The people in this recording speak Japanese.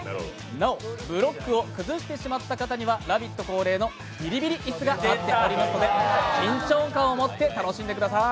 なお、ブロックを崩してしまった方には、「ラヴィット！」恒例のビリビリ椅子が待っていますので緊張感を持って楽しんでください。